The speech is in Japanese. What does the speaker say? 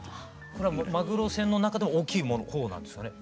これはマグロ船の中でも大きい方なんですかね？